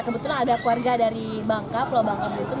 kebetulan ada keluarga dari bangka pulau bangka belitung